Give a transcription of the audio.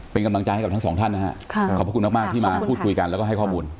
เป็นกำลังใจให้กับทั้งสองท่านนะฮะขอบพระคุณมากที่มาพูดคุยกันแล้วก็ให้ข้อมูล